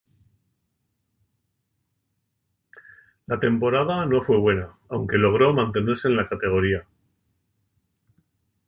La temporada no fue buena, aunque logró mantenerse en la categoría.